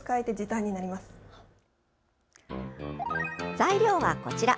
材料はこちら。